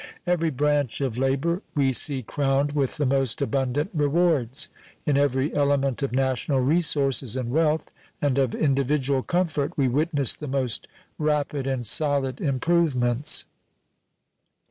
Every branch of labor we see crowned with the most abundant rewards. In every element of national resources and wealth and of individual comfort we witness the most rapid and solid improvements.